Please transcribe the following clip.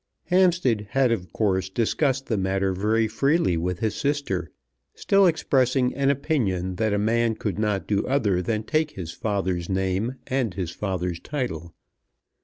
Hampstead had of course discussed the matter very freely with his sister, still expressing an opinion that a man could not do other than take his father's name and his father's title.